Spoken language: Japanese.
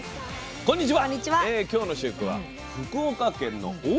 こんにちは。